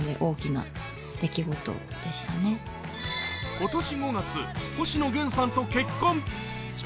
今年５月、星野源さんと結婚。